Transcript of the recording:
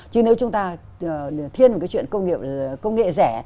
chứ nếu chúng ta thiên một cái chuyện công nghệ rẻ